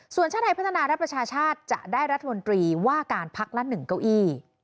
ส่วนชาติไทยพัฒนาและประชาชาติจะได้รัฐมนตรีว่าการพักละ๑เก้าอี้